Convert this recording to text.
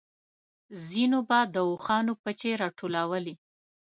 ځينو به د اوښانو پچې راټولولې.